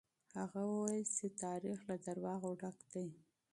هغه وويل چې تاريخ له دروغو ډک دی.